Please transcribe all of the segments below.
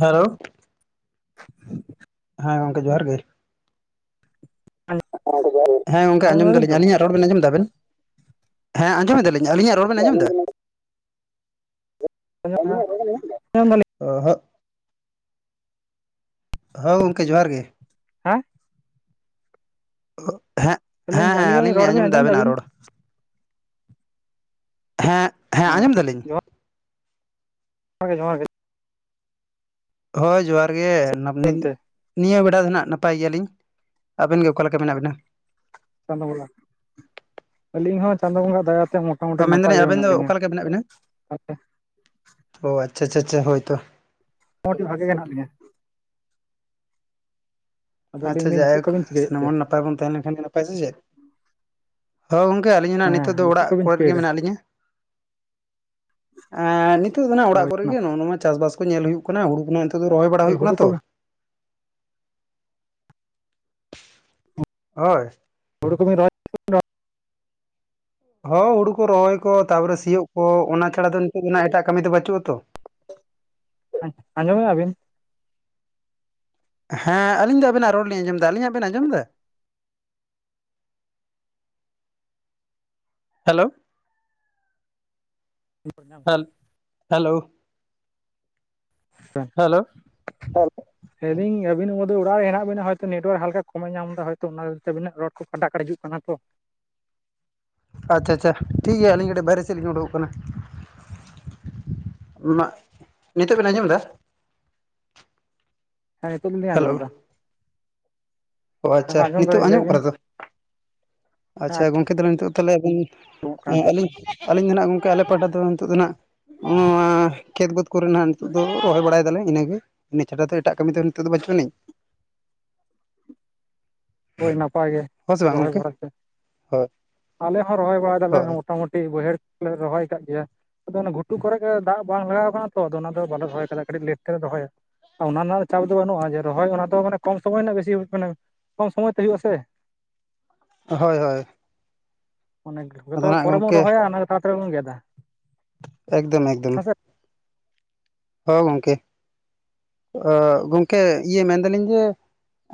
Hello, [unintelligible] ᱦᱮᱸ ᱜᱚᱝᱠᱮ ᱡᱚᱦᱟᱨ ᱜᱮ ᱾ ᱟᱪᱪᱷᱟ [inaudible] ᱦᱮᱸ ᱜᱚᱝᱠᱮ ᱟᱸᱡᱚᱢ ᱫᱟᱞᱤᱧ ᱟᱞᱤᱧᱟᱜ ᱨᱚᱲ ᱵᱮᱱ ᱟᱸᱡᱚᱢ ᱮᱫᱟ ᱟᱵᱮᱱ ᱦᱮᱸ ᱟᱸᱡᱚᱢ ᱮᱫᱟᱞᱤᱧ ᱟᱞᱤᱧᱟᱜ ᱨᱚᱲ ᱵᱮᱱ ᱟᱸᱡᱚᱢ ᱮᱫᱟ? [inaudible] ᱟᱡᱚᱢ ᱫᱟᱞᱤᱧ ᱚ ᱦᱚᱸᱜ [inaudible] ᱦᱚᱸ ᱜᱚᱝᱠᱮ ᱡᱚᱦᱟᱨ ᱜᱮ ᱾ ᱦᱮᱸ᱾ ᱦᱮᱸ ᱦᱮᱸ ᱦᱮᱸ ᱟᱹᱞᱤᱧᱟᱜ ᱟᱹᱞᱤᱧ ᱞᱤᱧ ᱨᱚᱲ ᱵᱤᱱ ᱟᱸᱡᱚᱢ ᱮᱫᱟ ᱟᱵᱮᱱᱟᱜ ᱫᱟᱵᱤᱱ ᱨᱚᱲ᱾ ᱦᱮᱸ ᱦᱮᱸ ᱟᱸᱡᱚᱢ ᱫᱟᱞᱤᱧ᱾ [inaudible] ᱡᱚᱦᱟᱨ ᱜᱮ ᱦᱳᱭ ᱡᱚᱦᱟᱨ ᱜᱮ ᱱᱟᱯ ᱱᱤ ᱢᱮᱱᱛᱮ ᱱᱤᱭᱟᱹ ᱵᱮᱲᱟ ᱫᱚ ᱱᱟᱸᱦᱟᱜ ᱱᱟᱯᱟᱭ ᱜᱮᱭᱟᱞᱤᱧ ᱟᱵᱮᱱ ᱜᱮ ᱚᱠᱟ ᱞᱮᱠᱟ ᱢᱮᱱᱟᱜ ᱵᱤᱱᱟ? ᱪᱟᱸᱫᱳ ᱵᱚᱸᱜᱟ ᱟᱹᱞᱤᱧ ᱦᱚᱸ ᱪᱟᱸᱫᱳ ᱵᱚᱸᱜᱟ ᱫᱟᱭᱟᱛᱮ ᱢᱚᱼᱼ ᱚ ᱢᱮᱱᱫᱟᱞᱤᱧ ᱟᱵᱮᱱ ᱫᱚ ᱚᱠᱟᱞᱮ ᱞᱮᱠᱟ ᱢᱮᱱᱟᱜ ᱵᱮᱤᱱᱟ ᱚ ᱟᱪᱪᱷᱟ ᱪᱷᱟ ᱟᱪᱷᱟ ᱦᱳᱭ ᱛᱚ᱾ ᱢᱚᱴ ᱵᱷᱟᱜᱮ ᱜᱮ ᱢᱮᱱᱟᱜ ᱞᱤᱧᱟ᱾ ᱟᱫᱚ ᱞᱟᱹᱭ ᱟᱪᱪᱷᱟ ᱫᱟᱹᱧ ᱪᱮᱫ ᱡᱟᱭᱦᱳᱠ ᱠᱚᱵᱤᱱ ᱪᱤᱠᱟᱹᱭᱮᱫ ᱥᱟᱱᱟᱢ ᱛᱮ ᱦᱚᱲ ᱱᱟᱯᱟᱭ ᱵᱚᱱ ᱛᱟᱦᱮᱸ ᱞᱮᱱᱠᱷᱟᱱ ᱜᱮ ᱱᱟᱯᱟᱭ ᱥᱮ ᱪᱮᱫ᱾ ᱦᱳᱭ ᱜᱚᱝᱠᱮ ᱟᱹᱞᱤᱧᱱᱟᱜ ᱦᱮᱸ ᱱᱤᱛᱚᱜ ᱫᱚ ᱟᱫᱚ ᱪᱮᱫ ᱚᱲᱟᱜ ᱠᱚᱵᱤᱱ ᱠᱚᱨᱮᱫ ᱜᱮ ᱪᱤᱠᱟᱹᱭᱮᱫᱟ ᱢᱮᱱᱟᱜ ᱞᱤᱧᱟ᱾ ᱮ ᱱᱤᱛᱚᱜ ᱫᱚ ᱱᱟᱜ ᱚᱲᱟᱜ ᱦᱳᱭ ᱠᱚᱨᱮ ᱜᱮ ᱾ ᱱᱚᱜ-ᱚ ᱱᱚᱣᱟ ᱪᱟᱥᱵᱟᱥ ᱠᱚ ᱧᱮᱞ ᱦᱩᱭᱩᱜ ᱠᱟᱱᱟ ᱾ ᱦᱩᱲᱩ ᱠᱚ ᱱᱟᱜ ᱱᱤᱛᱚᱜ ᱫᱚ ᱨᱚᱦᱚᱭ ᱵᱟᱲᱟ ᱦᱩᱭᱩᱜ ᱦᱩᱲᱩ ᱠᱟᱱᱟ ᱠᱚ ᱛᱚ ᱾ ᱦᱳᱭ ᱾ ᱦᱩᱲᱩ ᱠᱚ ᱵᱤᱱ ᱨᱚᱦᱚᱭ ᱦᱳᱭ ᱦᱩᱲᱩ ᱠᱚ ᱨᱚᱦᱚᱭ ᱠᱚ ᱛᱟᱯᱚᱨᱮ ᱥᱤᱭᱳᱜ ᱠᱚ ᱚᱱᱟ ᱪᱷᱟᱲᱟ ᱫᱚ ᱱᱤᱛᱚᱜ ᱫᱚ ᱮᱴᱟᱜ ᱠᱟᱹᱢᱤ ᱫᱚ ᱵᱟᱪᱩᱜ-ᱟᱛᱚ ᱾ ᱟᱸᱡᱚᱢᱮᱫ ᱟᱵᱤᱱ? ᱦᱮᱸ ᱟᱞᱤᱧ ᱫᱚ ᱟᱵᱱᱟᱜ ᱨᱚᱲ ᱞᱤᱧ ᱟᱡᱚᱢ ᱮᱫᱟ ᱾ ᱟᱹᱞᱤᱧᱟᱜ ᱵᱮᱱ ᱟᱸᱡᱚᱢ ᱮᱫᱟ? Hello [inaudible] ᱦᱮᱞ hello. ᱦᱮᱸ ᱦᱮᱞᱳ ᱾ [inaudible] ᱞᱟᱹᱭ ᱮᱫᱟᱹᱧ ᱟᱵᱤᱱᱟᱜ [unintelligible] ᱫᱚ ᱚᱲᱟᱜ ᱨᱮ ᱦᱮᱱᱟᱜ ᱵᱤᱱᱟ ᱦᱚᱭᱛᱳ ᱱᱮᱴᱳᱣᱟᱨᱠ ᱦᱟᱞᱠᱟ ᱠᱚᱢᱮ ᱮ ᱧᱟᱢ ᱮᱫᱟ, ᱦᱚᱭ ᱛᱳ ᱚᱱᱟ ᱠᱷᱟᱹᱛᱤᱨ ᱛᱮ ᱟᱵᱱᱟᱜ ᱨᱚᱲ ᱠᱟᱴᱟᱜ ᱠᱟᱲ ᱦᱤᱡᱩᱜ ᱠᱟᱱᱟ ᱛᱚ ᱾ ᱟᱪᱪᱷᱟ ᱟᱪᱪᱷᱟ, ᱴᱷᱤᱠ ᱜᱮᱭᱟ ᱟᱹᱞᱤᱧ ᱠᱟᱹᱴᱤᱡ ᱵᱟᱭᱨᱮ ᱥᱮᱫ ᱞᱤᱧ ᱩᱰᱩᱠᱚᱜ ᱠᱟᱱᱟ ᱾ [inaudible] ᱢᱟᱜ ᱱᱤᱛᱳᱜ ᱵᱮᱱ ᱟᱸᱡᱚᱢ ᱮᱫᱟ? ᱦᱮᱸ ᱱᱤᱛᱳᱜ [unintelligible] ᱟᱸᱡᱚᱢ ᱦᱮᱞᱳ ᱮᱫᱟ ᱾ ᱚ [inaudible] ᱟᱪᱪᱷᱟ ᱦᱮᱸ ᱟᱸᱡᱚᱢ ᱱᱤᱛᱚᱜ ᱮᱫᱟᱞᱤᱧ ᱟᱸᱡᱚᱢᱚᱜ ᱠᱟᱱᱟ ᱞᱟᱹᱭᱵᱤᱱ ᱾ ᱛᱚ ᱟᱪᱪᱷᱟ ᱜᱚᱝᱠᱮ ᱛᱟᱦᱮᱞᱮ ᱱᱤᱛᱚᱜ ᱛᱟᱦᱚᱞᱮ ᱟᱵᱤᱱ ᱟᱸᱡᱚᱢᱚᱜ ᱠᱟᱱᱟ ᱦᱮᱸ ᱟᱹᱞᱤᱧ ᱟᱹᱞᱤᱧ ᱫᱚ ᱦᱟᱜ ᱜᱚᱝᱠᱮ ᱟᱞᱮ ᱯᱟᱦᱴᱟ ᱫᱚ ᱱᱤᱛᱳᱜ ᱫᱚ ᱱᱟᱦᱟᱜ ᱱᱚᱣᱟᱻ ᱠᱷᱮᱛ ᱵᱟᱹᱫᱽ ᱠᱚᱨᱮ ᱱᱟᱦᱟᱜ ᱱᱤᱛᱚᱜ ᱫᱚ ᱨᱚᱦᱚᱭ ᱵᱟᱲᱟᱭ ᱮᱫᱟᱞᱮ ᱤᱱᱟᱹᱜᱮ ᱾ ᱤᱱᱟᱹ ᱪᱷᱟᱰᱟ ᱫᱚ ᱮᱴᱟᱜ ᱠᱟᱹᱢᱤ ᱫᱚ ᱱᱤᱛᱳᱜ ᱫᱚ ᱵᱟᱹᱪᱩᱜ ᱟᱹᱱᱤᱡ ᱾ [inaudible] ᱦᱳᱭ ᱱᱟᱯᱟᱭ ᱜᱮ ᱨᱚᱦᱚᱭ ᱵᱟᱲᱟᱭ ᱯᱮ ᱦᱳᱭ ᱾ [inaudible] ᱟᱞᱮ ᱦᱚᱸ ᱨᱚᱦᱚᱭ ᱵᱟᱲᱟᱭ ᱮᱫᱟᱞᱮ ᱦᱳᱭ ᱢᱚᱴᱟᱢᱩᱴᱤ ᱵᱟᱹᱭᱦᱟᱹᱲ ᱠᱚᱞᱮ ᱨᱚᱦᱚᱭ ᱟᱠᱟᱫ ᱜᱮᱭᱟ ᱾ ᱟᱫᱚ ᱚᱱᱟ ᱜᱷᱩᱴᱩ ᱠᱚᱨᱮ ᱜᱮ ᱫᱟᱜ ᱵᱟᱝ ᱞᱟᱜᱟᱣ ᱟᱠᱟᱱᱟ ᱛᱚ ᱟᱫᱚ ᱚᱱᱟ ᱫᱚ ᱵᱟᱞᱮ ᱨᱚᱦᱚᱭ ᱟᱠᱟᱫᱟ ᱠᱟᱹᱴᱤᱡ ᱞᱮᱴ ᱛᱮᱞᱮ ᱨᱚᱦᱚᱭᱟ ᱾ ᱚᱱᱟ ᱨᱮᱱᱟᱜ ᱪᱟᱯ ᱫᱚ ᱵᱟᱹᱱᱩᱜ-ᱟ ᱡᱮ ᱨᱚᱦᱚᱭ ᱚᱱᱟ ᱫᱚ ᱢᱟᱱᱮ ᱠᱚᱢ ᱥᱚᱢᱚᱭ ᱨᱮᱱᱟᱜ ᱵᱮᱥᱤ [unintelligible] ᱠᱚᱢ ᱥᱚᱢᱚᱭ ᱛᱮ ᱦᱩᱭᱩᱜ-ᱟ ᱥᱮ ᱾ ᱦᱳᱭ ᱦᱳᱭ ᱾ ᱚᱱᱮ ᱡᱚᱛᱚ ᱯᱚᱨᱮ ᱵᱚᱱ ᱜᱚᱝᱠᱮ ᱨᱚᱦᱚᱭᱟ ᱚᱱᱟ ᱜᱮ ᱛᱟᱲᱟᱛᱟᱹᱲᱤ ᱵᱚᱱ ᱜᱮᱫᱟ ᱾ ᱮᱠᱫᱚᱢ ᱮᱠᱫᱚᱢ ᱾ ᱦᱚᱸ ᱜᱚᱢᱠᱮ ᱾ [inaudible] ᱜᱚᱢᱠᱮ ᱤᱭᱟᱹ ᱢᱮᱱ ᱮᱫᱟᱞᱤᱧ ᱡᱮ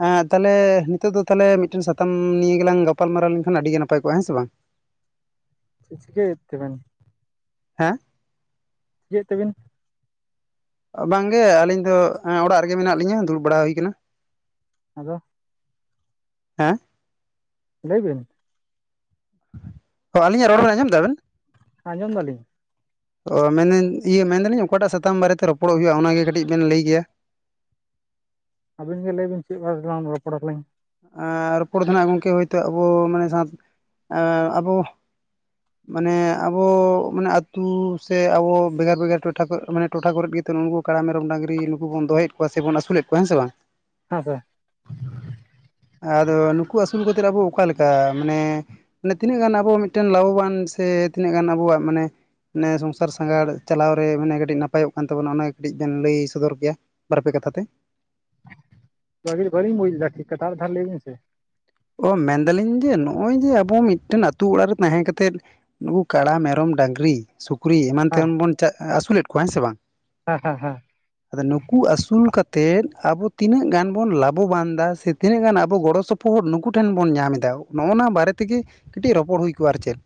ᱮᱸ ᱛᱟᱦᱚᱞᱮ ᱱᱤᱛᱚᱜ ᱫᱚ ᱛᱟᱦᱚᱞᱮ ᱢᱤᱫᱴᱮᱱ ᱥᱟᱛᱟᱢ ᱱᱤᱭᱟᱹ ᱜᱮᱞᱟᱝ ᱜᱟᱯᱟᱞᱢᱟᱨᱟᱣ ᱞᱮᱱᱠᱷᱟᱱ ᱟᱹᱰᱤ ᱜᱮ ᱱᱟᱯᱟᱭ ᱠᱚᱜ-ᱟ ᱦᱮᱸ ᱥᱮ ᱵᱟᱝ ᱾ [inaudible] ᱪᱤᱠᱟᱹᱭᱮᱫ ᱛᱮᱵᱮᱱ? [inaudible] ᱦᱮᱸ ᱪᱤᱠᱟᱹᱭᱮᱫ ᱛᱮᱵᱤᱱ? ᱵᱟᱝᱜᱮ ᱟᱹᱞᱤᱧ ᱫᱚ ᱚᱲᱟᱜ ᱨᱮᱜᱮ ᱢᱮᱱᱟᱜ ᱞᱤᱧᱟ ᱫᱩᱲᱩᱵ ᱵᱟᱲᱟ ᱦᱩᱭ ᱟᱠᱟᱱᱟ ᱾ ᱟᱫᱚ [inaudible] ᱦᱮᱸ ᱞᱟᱹᱭᱵᱤᱱ ᱾ [inaudible] ᱚ ᱟᱹᱞᱤᱧᱟᱜ ᱨᱚᱲ ᱵᱮᱱ ᱟᱸᱡᱚᱢ ᱮᱫᱟᱵᱮᱱ? ᱟᱸᱡᱚᱢ ᱮᱫᱟᱞᱤᱧ ᱾ ᱚ ᱢᱮᱱᱫᱟᱹᱧ ᱤᱭᱟᱹ ᱢᱮᱱᱫᱟᱞᱤᱧ ᱚᱠᱟᱴᱟᱜ ᱥᱟᱛᱟᱢ ᱵᱟᱨᱮᱛᱮ ᱨᱚᱯᱚᱲᱚᱜ ᱦᱩᱭᱩᱜ-ᱟ ᱚᱱᱟᱜᱮ ᱠᱟᱹᱴᱤᱡ ᱵᱮᱱ ᱞᱟᱹᱭ ᱠᱮᱭᱟ ᱾ ᱟᱵᱤᱱ ᱜᱮ ᱞᱟᱹᱭᱵᱤᱱ ᱪᱮᱫ ᱵᱟᱨᱮ ᱛᱮᱞᱟᱝ ᱨᱚᱯᱚᱲ ᱟᱞᱤᱧ ᱾ ᱨᱚᱯᱚᱲ ᱫᱚ ᱱᱟᱦᱟᱸᱜ ᱜᱚᱢᱠᱮ ᱦᱳᱭ ᱛᱳ ᱟᱵᱚ ᱢᱟᱱᱮ ᱟᱵᱚ ᱢᱟᱱᱮ ᱟᱵᱚ ᱢᱟᱱᱮ ᱟᱛᱩ ᱥᱮ ᱟᱵᱚ ᱵᱷᱮᱜᱟᱨ ᱵᱷᱮᱜᱟᱨ ᱴᱚᱴᱷᱟ ᱠᱚ ᱢᱟᱱᱮ ᱴᱚᱴᱷᱟ ᱠᱚᱨᱮᱫ ᱜᱮ ᱱᱤᱛᱚᱜ ᱩᱱᱠᱩ ᱠᱟᱲᱟ ᱢᱮᱨᱚᱢ ᱰᱟᱝᱨᱤ ᱱᱩᱠᱩ ᱵᱚᱱ ᱫᱚᱭᱮᱫ ᱠᱚᱣᱟ ᱥᱮᱵᱚᱱ ᱟᱹᱥᱩᱞᱮᱫ ᱠᱚᱣᱟ ᱦᱮᱸ ᱥᱮ ᱵᱟᱝ? ᱦᱮᱸ ᱥᱮ ᱾ ᱟᱫᱚ ᱱᱩᱠᱩ ᱟᱹᱥᱩᱞ ᱠᱟᱛᱮᱫ ᱟᱵᱚ ᱚᱠᱟ ᱞᱮᱠᱟ ᱢᱟᱱᱮ ᱢᱟᱱᱮ ᱛᱤᱱᱟᱹᱜ ᱜᱟᱱ ᱟᱵᱚᱣᱟᱜ ᱢᱤᱫᱴᱮᱱ ᱞᱟᱵᱷᱚᱵᱟᱱ ᱥᱮ ᱛᱤᱱᱟᱹᱜ ᱜᱟᱱ ᱟᱵᱚᱣᱟᱜ ᱢᱟᱱᱮ ᱟᱱᱮ ᱥᱚᱝᱥᱟᱨ ᱥᱟᱸᱜᱷᱟᱨ ᱪᱟᱞᱟᱣ ᱨᱮ ᱢᱟᱱᱮ ᱠᱟᱹᱴᱤᱡ ᱱᱟᱯᱟᱭᱚᱜ ᱠᱟᱱ ᱛᱟᱵᱚᱱᱟ ᱚᱱᱟ ᱠᱟᱹᱴᱤᱡ ᱵᱮᱱ ᱞᱟᱹᱭ ᱥᱚᱫᱚᱨ ᱠᱮᱭᱟ ᱾ ᱵᱟᱨ ᱯᱮ ᱠᱟᱛᱷᱟ ᱛᱮ [unintelligible] ᱵᱟᱞᱤᱧ ᱵᱩᱡᱽ ᱞᱮᱫᱟ ᱠᱟᱛᱷᱟ [unintelligible] ᱟᱨ ᱢᱤᱫ ᱫᱷᱟᱣ ᱞᱟᱹᱭ ᱢᱮ ᱥᱮ᱾ ᱚ ᱢᱮᱱᱫᱟᱞᱤᱧ ᱡᱮ ᱱᱚᱜᱼᱚᱭ ᱡᱮ ᱟᱵᱚ ᱢᱤᱫᱴᱮᱱ ᱟᱹᱛᱩ ᱚᱲᱟᱜ ᱨᱮ ᱛᱟᱦᱮᱸ ᱠᱟᱛᱮᱫ ᱱᱩᱠᱩ ᱠᱟᱲᱟ, ᱢᱮᱨᱚᱢ, ᱰᱟᱝᱨᱤ, ᱥᱩᱠᱨᱤ ᱮᱢᱟᱱ ᱦᱮᱸ ᱛᱮᱢᱟ ᱵᱚᱱ ᱟᱹᱥᱩᱞᱮᱫ ᱠᱚᱣᱟ ᱦᱮᱸ ᱥᱮ ᱵᱟᱝ᱾ ᱦᱮᱸ ᱦᱮᱸ ᱦᱮᱸ ᱟᱫᱚ ᱱᱩᱠᱩ ᱟᱹᱥᱩᱞ ᱠᱟᱛᱮᱫ ᱟᱵᱚ ᱛᱤᱱᱟᱹᱜ ᱜᱟᱱ ᱵᱚᱱ ᱞᱟᱵᱷᱚᱵᱟᱱ ᱫᱟ ᱥᱮ ᱛᱤᱱᱟᱹᱜ ᱜᱟᱱ ᱟᱵᱚ ᱜᱚᱲᱚ ᱥᱚᱯᱚᱦᱚᱫ ᱱᱩᱠᱩ ᱴᱷᱮᱱ ᱵᱚᱱ ᱧᱟᱢ ᱮᱫᱟ ᱱᱚᱜᱼᱚᱱᱟ ᱵᱟᱨᱮ ᱛᱮᱜᱮ ᱠᱟᱹᱴᱤᱡ ᱨᱚᱯᱚᱲ ᱦᱩᱭ ᱠᱚᱜᱼᱟ ᱟᱨ ᱪᱮᱫ᱾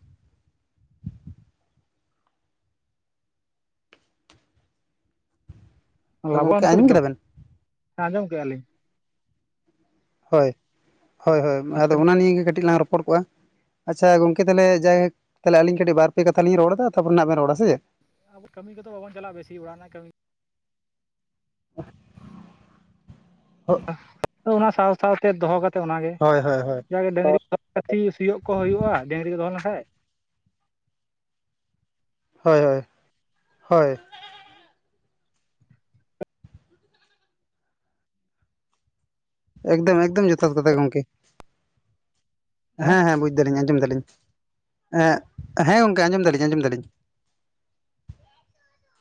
ᱜᱚᱝᱠᱮ ᱞᱟᱵᱟᱱᱛᱚ ᱟᱸᱡᱚᱢ [unintelligible] ᱠᱮᱫᱟ ᱵᱮᱱ ᱦᱮᱸ ᱟᱸᱡᱚᱢ ᱠᱮᱫᱼᱟ ᱞᱤᱧ᱾ ᱦᱳᱭ ᱦᱳᱭ ᱦᱳᱭ ᱟᱫᱚ ᱚᱱᱟ ᱱᱤᱭᱮ ᱜᱮ ᱠᱟᱹᱴᱤᱡ ᱞᱟᱝ ᱨᱚᱯᱚᱲ ᱠᱚᱜᱼᱟ᱾ ᱟᱪᱪᱷᱟ ᱜᱚᱝᱠᱮ ᱛᱟᱦᱮ ᱡᱟᱭᱦᱮᱠ ᱛᱟᱦᱚᱞᱮ ᱟᱞᱤᱧ ᱠᱟᱹᱴᱤᱡ ᱵᱟᱨ ᱯᱮ ᱠᱟᱛᱷᱟ ᱞᱤᱧ ᱨᱚᱲ ᱮᱫᱟ ᱛᱟᱯᱚᱨᱮ ᱱᱟᱜ ᱵᱮᱱ ᱨᱚᱲᱟ ᱥᱮ ᱪᱮᱫ᱾ ᱟᱵᱚ ᱠᱟᱹᱢᱤ ᱠᱚᱫᱚ ᱵᱟᱵᱚᱱ ᱪᱟᱞᱟᱜᱼᱟ ᱵᱮᱥᱤ ᱚᱲᱟᱜ ᱨᱮᱱᱟᱜ ᱠᱟᱹᱢᱤ [inaudible] ᱦᱳᱜ ᱛᱚ ᱚᱱᱟ ᱥᱟᱶ ᱥᱟᱶᱛᱮ ᱫᱚᱦᱚ ᱠᱟ ᱛᱮ ᱚᱱᱟᱜᱮ ᱦᱳᱭ ᱦᱳᱭ ᱡᱟᱜᱮ ᱰᱟᱝᱨᱤ ᱥᱤᱭᱳᱜ ᱠᱚ ᱦᱩᱭᱩᱜᱼᱟ ᱰᱟᱹᱝᱨᱤ ᱠᱚ ᱫᱚᱦᱚ ᱞᱮᱱᱠᱷᱟᱡ᱾ ᱦᱳᱭ ᱦᱳᱭ ᱦᱳᱭ ᱮᱠᱫᱚᱢ ᱮᱠᱫᱚᱢ ᱡᱚᱛᱷᱟᱛ ᱠᱟᱛᱷᱟ ᱜᱚᱢᱠᱮ ᱦᱮᱸ ᱦᱮᱸ ᱵᱩᱡᱽ ᱫᱟᱞᱤᱧ ᱟᱸᱡᱚᱢ ᱫᱟᱞᱤᱧ᱾ ᱮᱸᱜ ᱦᱮᱸ ᱜᱚᱝᱠᱮ ᱟᱸᱡᱚᱢ ᱫᱟᱞᱤᱧ ᱟᱸᱡᱚᱢ ᱫᱟᱞᱤᱧ᱾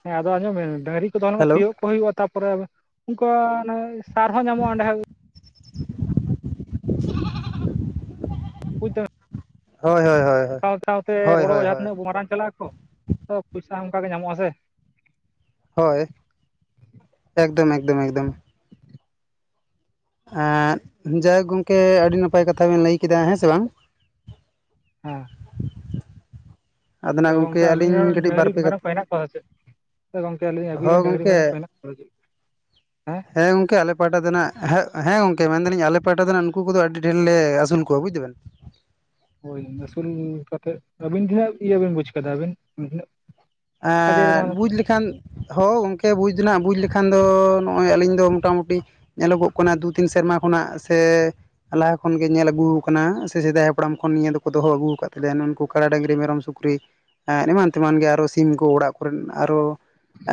ᱦᱮᱸ ᱟᱫᱚ ᱟᱸᱡᱚᱢ ᱢᱮ ᱰᱟᱹᱝᱨᱤ [unintelligible] ᱦᱮᱞᱳ ᱥᱤᱭᱳᱜ ᱠᱚ ᱦᱩᱭᱩᱜᱼᱟ ᱛᱟᱯᱚᱨᱮ ᱩᱱᱠᱟ ᱥᱟᱨ ᱦᱚᱸ ᱧᱟᱢᱚᱜᱼᱟ ᱚᱸᱰᱮ [inaudible] ᱵᱩᱡᱽ ᱫᱟᱢ ᱦᱳᱭ ᱦᱳᱭ ᱦᱳᱭ ᱥᱟᱶ ᱥᱟᱶᱛᱮ ᱦᱳᱭ ᱜᱚᱲᱚ ᱦᱳᱭ ᱡᱟᱦᱟᱸ ᱦᱳᱭ ᱛᱤᱱᱟᱹᱜ ᱵᱚ ᱢᱟᱨᱟᱝ [inaudible] ᱪᱟᱞᱟᱜ ᱟᱠᱚ᱾ ᱛᱚ ᱯᱚᱭᱥᱟ ᱚᱱᱠᱟ ᱜᱮ ᱧᱟᱢᱚᱜᱼᱟ ᱥᱮ᱾ ᱦᱳᱭ ᱮᱠᱫᱚᱢ ᱮᱠᱫᱚᱢ ᱮᱠᱫᱚᱢ᱾ ᱮᱻ ᱡᱟᱭᱦᱳᱠ ᱜᱚᱢᱠᱮ ᱟᱹᱰᱤ ᱱᱟᱯᱟᱭ ᱠᱟᱛᱷᱟ ᱵᱮᱱ ᱞᱟᱹᱭ ᱠᱮᱫᱟ ᱦᱮᱸ ᱥᱮ ᱵᱟᱝ᱾ ᱦᱮᱸ ᱟᱫᱚ ᱱᱟᱜ ᱜᱚᱝᱠᱮ ᱟᱵᱤᱱ ᱟᱹᱞᱤᱧ ᱦᱚᱸ ᱠᱟᱹᱴᱤᱡ ᱵᱟᱨ ᱰᱟᱹᱝᱨᱤ ᱯᱮ ᱢᱮᱨᱚᱢ ᱠᱚ ᱠᱟᱛᱷᱟ ᱦᱮᱱᱟᱜ ᱠᱚᱣᱟ ᱥᱮ ᱪᱮᱫ? ᱟᱫᱚ ᱜᱚᱢᱠᱮ ᱟᱞᱤᱧ ᱦᱚᱸ ᱟᱹᱵᱤᱱ ᱰᱟᱝᱨᱤ ᱜᱚᱝᱠᱮ ᱢᱮᱨᱚᱢ ᱠᱚ ᱢᱮᱱᱟᱜ ᱠᱚᱣᱟ ᱥᱮ ᱪᱤᱫ? ᱦᱮᱸ ᱜᱚᱢᱠᱮ ᱟᱞᱮ ᱟᱞᱮ ᱯᱟᱦᱴᱟ ᱨᱮᱱᱟᱜ ᱦᱮ ᱦᱮᱸ ᱜᱚᱝᱠᱮ ᱢᱮᱱᱫᱟᱞᱤᱧ ᱟᱞᱮ ᱯᱟᱦᱴᱟ ᱫᱚ ᱦᱟᱸᱜ ᱩᱱᱠᱩ ᱠᱚᱫᱚ ᱟᱹᱰᱤ ᱰᱷᱮᱨ ᱞᱮ ᱟᱹᱥᱩᱞ ᱠᱚᱣᱟ ᱵᱩᱡᱽ ᱫᱟ ᱵᱮᱱ᱾ ᱦᱳᱭ ᱟᱹᱥᱩᱞ ᱠᱟᱛᱮᱫ ᱟᱹᱵᱤᱱ ᱛᱤᱱᱟᱹᱜ ᱤᱭᱟᱹ ᱵᱤᱱ ᱵᱩᱡᱽ ᱠᱟᱫᱟ ᱟᱹᱵᱤᱱ [unintelligible] ᱟᱻᱻ ᱠᱟᱡᱮᱨ ᱢᱟ ᱵᱩᱡᱽ ᱞᱮ ᱮᱱᱠᱷᱟᱱ ᱦᱳ ᱜᱚᱝᱠᱮ ᱵᱩᱡᱽ ᱫᱚ ᱦᱟᱸᱜ ᱵᱩᱡᱽ ᱞᱮᱠᱷᱟᱱ ᱫᱚ ᱱᱚᱜᱼᱚᱭ ᱟᱹᱞᱤᱧ ᱫᱚ ᱢᱚᱴᱟᱢᱩᱴᱤ ᱧᱮᱞᱚᱜᱚᱜ ᱠᱟᱱᱟ ᱫᱩ ᱛᱤᱱ ᱥᱮᱨᱢᱟ ᱠᱷᱚᱱᱟᱜ ᱥᱮ ᱞᱟᱦᱟ ᱠᱷᱚᱱᱜᱮ ᱧᱮᱞ ᱟᱹᱜᱩ ᱟᱠᱟᱱᱟ ᱥᱮ ᱥᱮᱫᱟᱭ ᱦᱟᱯᱲᱟᱢ ᱠᱷᱚᱱ ᱱᱤᱭᱟᱹ ᱫᱚᱠᱚ ᱫᱚᱦᱚ ᱟᱹᱜᱩ ᱟᱠᱟᱫ ᱛᱟᱦᱮᱸ ᱱᱩᱱᱠᱩ ᱠᱟᱲᱟ, ᱰᱟᱝᱨᱤ, ᱢᱮᱨᱚᱢ ᱥᱩᱠᱨᱤ ᱮ ᱮᱢᱟᱱ ᱛᱮᱢᱟᱱ ᱜᱮ ᱟᱨᱚ ᱥᱤᱢ ᱠᱚ ᱚᱲᱟᱜ ᱠᱚᱨᱮᱱ ᱟᱨᱚ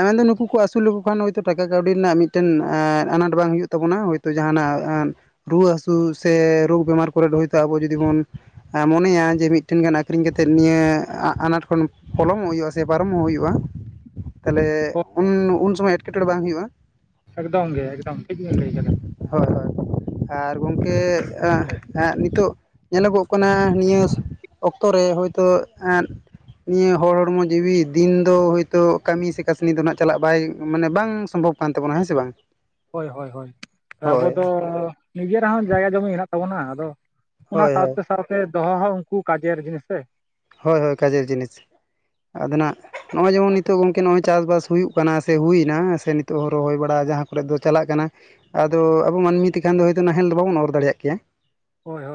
ᱢᱮᱱᱫᱚ ᱱᱩᱠᱩ ᱠᱚ ᱟᱹᱥᱩᱞ ᱞᱮᱠᱚ ᱠᱷᱟᱱ ᱦᱳᱭᱛᱳ ᱴᱟᱠᱟ ᱠᱟᱹᱣᱰᱤ ᱨᱮᱱᱟᱜ ᱢᱤᱫᱴᱮᱱ ᱮᱸ ᱟᱱᱟᱴ ᱵᱟᱝ ᱦᱩᱭᱩᱜ ᱛᱟᱵᱚᱱᱟ ᱛᱟᱵᱚᱱᱟ ᱦᱳ ᱛᱚ ᱡᱟᱦᱟᱸᱱᱟᱜ ᱨᱩᱣᱟᱹ ᱦᱟᱹᱥᱩ ᱥᱮ ᱨᱳᱜᱽ ᱵᱤᱢᱟᱨ ᱠᱚᱨᱮ ᱫᱚ ᱦᱳᱭᱛᱳ ᱟᱵᱚ ᱡᱩᱫᱤ ᱵᱚᱱ ᱢᱚᱱᱮᱭᱟ ᱡᱮ ᱢᱤᱫᱴᱮᱱ ᱜᱟᱱ ᱟᱹᱠᱷᱨᱤᱧ ᱠᱟᱛᱮᱫ ᱱᱤᱭᱟᱹ ᱟᱱᱟᱴ ᱠᱷᱚᱱ ᱯᱚᱞᱚᱢᱚᱜ ᱦᱩᱭᱩᱜᱼᱟ᱾ ᱥᱮ ᱯᱟᱨᱚᱢ ᱦᱚᱸ ᱦᱩᱭᱩᱜᱼᱟ ᱛᱟᱦᱚᱞᱮ ᱩᱱ ᱩᱱ ᱥᱚᱢᱚᱭ ᱮᱴᱠᱮᱴᱚᱬᱮ ᱵᱟᱝ ᱦᱩᱭᱩᱜᱼᱟ᱾ ᱮᱠᱫᱚᱢ ᱜᱮ ᱮᱠᱫᱚᱢ ᱴᱷᱤᱠ ᱵᱮᱱ ᱞᱟᱹᱭ ᱠᱟᱫᱟ᱾ ᱦᱳᱭ ᱦᱳᱭ ᱟᱨ ᱜᱚᱢᱠᱮ ᱮᱸ ᱱᱤᱛᱳᱜ ᱧᱮᱞᱚᱜᱚᱜ ᱠᱟᱱᱟ ᱱᱤᱭᱟᱹ ᱚᱠᱛᱚ ᱨᱮ ᱦᱳᱭᱛᱳ ᱮᱸ ᱱᱤᱭᱟᱹ ᱦᱚᱲ ᱦᱚᱲᱢᱚ ᱡᱤᱣᱤ ᱫᱤᱱ ᱫᱚ ᱦᱳᱭᱛᱳ ᱠᱟᱹᱢᱤ ᱥᱮ ᱠᱟᱹᱥᱱᱤ ᱫᱚ ᱦᱟᱸᱜ ᱪᱟᱞᱟᱜ ᱵᱟᱭ ᱢᱟᱱᱮ ᱵᱟᱝ ᱥᱚᱢᱵᱷᱚᱵᱽ ᱠᱟᱱ ᱛᱟᱵᱚᱱᱟ ᱦᱮᱸ ᱥᱮ ᱵᱟᱝ᱾ ᱦᱳᱭ ᱦᱳᱭ ᱦᱳᱭ ᱟᱵᱚ ᱦᱳᱭ ᱫᱚ ᱱᱤᱡᱮᱨ ᱨᱮᱦᱚᱸ ᱡᱟᱭᱜᱟ ᱡᱚᱢᱤ ᱦᱮᱱᱟᱜ ᱛᱟᱵᱚᱱᱟ ᱟᱫᱚ ᱚᱱᱟ ᱦᱳᱭ ᱦᱳᱭ ᱥᱟᱶᱛᱮ ᱥᱟᱶᱛᱮ ᱫᱚᱦᱚ ᱦᱚᱸ ᱩᱱᱠᱩ ᱠᱟᱡᱟᱨ ᱡᱤᱱᱤᱥ ᱥᱮ᱾ ᱦᱳᱭ ᱦᱳᱭ ᱠᱟᱡᱮᱨ ᱡᱤᱱᱤᱥ, ᱟᱫᱱᱟᱜ ᱱᱚᱜ-ᱚᱭ ᱡᱮᱢᱚᱱ ᱱᱤᱛᱚᱜ ᱜᱚᱝᱠᱮ ᱱᱚᱜ-ᱚᱭ ᱪᱟᱥᱵᱟᱥ ᱦᱩᱭᱩᱜ ᱠᱟᱱᱟ ᱥᱮ ᱦᱩᱭᱮᱱᱟ ᱥᱮ, ᱱᱤᱛᱚᱜ ᱦᱚᱸ ᱨᱚᱦᱚᱭ ᱵᱟᱲᱟᱜ ᱡᱟᱦᱟᱸ ᱠᱚᱨᱮᱫ ᱫᱚ ᱪᱟᱞᱟᱜ ᱠᱟᱱᱟ᱾ ᱟᱫᱚ ᱟᱵᱚ ᱢᱟᱹᱱᱢᱤ ᱛᱮᱠᱷᱟᱱ ᱫᱚ ᱦᱳᱭᱛᱳ ᱱᱟᱦᱮᱞ ᱫᱚ ᱵᱟᱵᱚᱱ ᱚᱨ ᱫᱟᱲᱮᱭᱟᱜ ᱠᱮᱭᱟ᱾ [unintelligible]